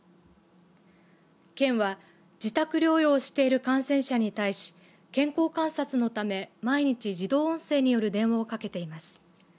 県は自宅療養している感染者に対し健康観察のため、毎日自動音声による電話をかけています。